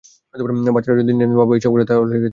বাচ্চারা যদি জানে, বাবা এইসব করে, তাদের খারাপ লাগবে।